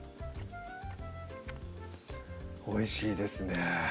おいしいですね